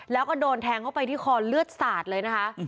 แล้วก็โดนแทงเข้าไปที่คอเลือดสาดเลยนะคะ